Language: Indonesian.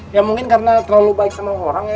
ya mungkin karena terlalu baik sama orang ya